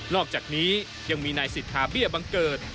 อกจากนี้ยังมีนายสิทธาเบี้ยบังเกิด